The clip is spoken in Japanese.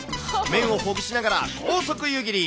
麺をほぐしながら高速湯切り。